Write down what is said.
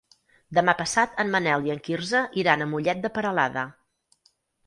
Demà passat en Manel i en Quirze iran a Mollet de Peralada.